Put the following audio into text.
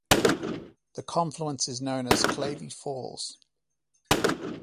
The confluence is known as Clavey Falls.